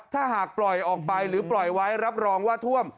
ถ้าหากปล่อยออกไปหรือปล่อยไว้รับรองว่าท่วม